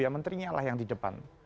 ya menteri inilah yang di depan